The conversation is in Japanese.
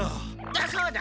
だそうだ！